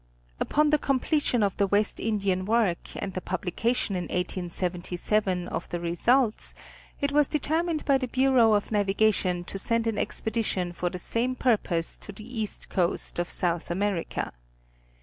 Upon the completion of the West Indian work, and the publi cation in 1877, of the results, it was determined by the Bureau of Navigation to send an Expedition for the same purpose to the east coast of South America.